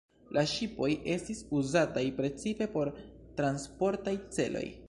La ŝipoj estis uzataj precipe por transportaj celoj.